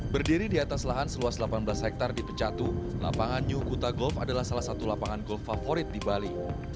berdiri di atas lahan seluas delapan belas hektare di pecatu lapangan new kuta golf adalah salah satu lapangan golf favorit di bali